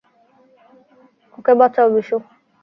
ওকে বাচাও, বিশু।